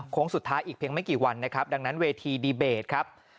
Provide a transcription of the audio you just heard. สุดท้ายอีกเพียงไม่กี่วันนะครับดังนั้นเวทีดีเบตครับ